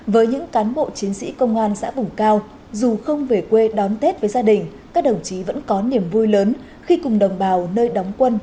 với những cán bộ chiến sĩ công an xã vùng cao dù không về quê đón tết với gia đình các đồng chí vẫn có niềm vui lớn khi cùng đồng bào nơi đóng quân